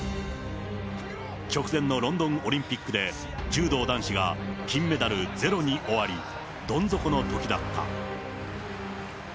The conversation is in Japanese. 直前のロンドンオリンピックで、柔道男子が金メダルゼロに終わり、どん底のときだった。